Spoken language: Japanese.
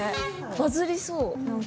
バズりそう何か。